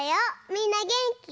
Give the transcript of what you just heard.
みんなげんき？